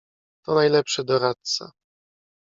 "To najlepszy doradca."